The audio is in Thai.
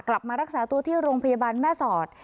กลับมารักษาตัวที่โรงพยาบาลแม่สอด